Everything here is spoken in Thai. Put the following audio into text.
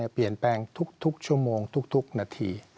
เปลี่ยนแปลงทุกชั่วโมงทุกนาที